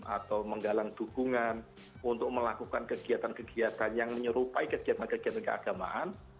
atau menggalang dukungan untuk melakukan kegiatan kegiatan yang menyerupai kegiatan kegiatan keagamaan